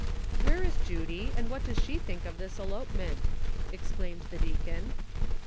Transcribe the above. " Where is Judy, and what does she think of this elope ment y " exclaimed the deacon.